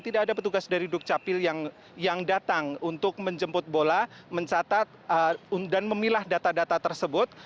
tidak ada petugas dari dukcapil yang datang untuk menjemput bola mencatat dan memilah data data tersebut